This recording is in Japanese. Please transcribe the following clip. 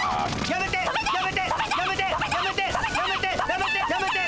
やめて！